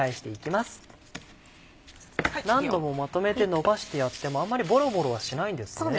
何度もまとめてのばしてやってもあんまりボロボロはしないんですね。